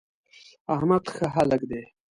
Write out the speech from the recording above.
احمد ښه هلک دی.